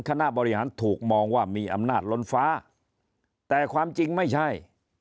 คณะบริหารถูกมองว่ามีอำนาจล้นฟ้าแต่ความจริงไม่ใช่